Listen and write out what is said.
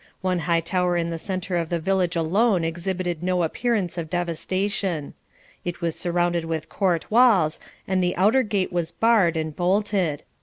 One high tower in the centre of the village alone exhibited no appearance of devastation. It was surrounded with court walls, and the outer gate was barred and bolted.